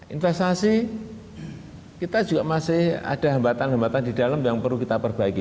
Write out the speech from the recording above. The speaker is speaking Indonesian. investasi kita juga masih ada hambatan hambatan di dalam yang perlu kita perbaiki